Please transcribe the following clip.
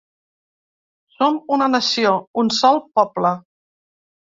Som una nació, un sol poble.